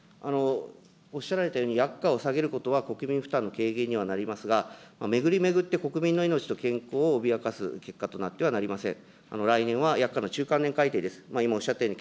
おっしゃられたように薬価を下げることは国民負担の軽減にはなりますが、巡り巡って、国民の命と健康を脅かす結果となってはなりません。